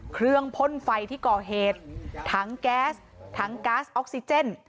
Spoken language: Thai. พ่นไฟที่ก่อเหตุทั้งแก๊สทั้งก๊าซออกซิเจน